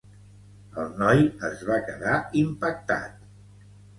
El noi es va quedar impactat.